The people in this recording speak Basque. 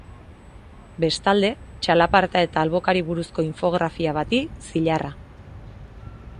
Bestalde, txalaparta eta albokari buruzko infografia bati zilarra.